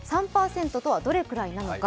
３％とはどれくらいなのか。